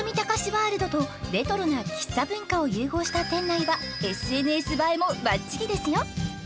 ワールドとレトロな喫茶文化を融合した店内はＳＮＳ映えもばっちりですよ